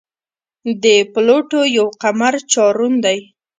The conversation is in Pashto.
د پلوټو یو قمر چارون دی.